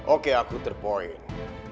oke aku terpoing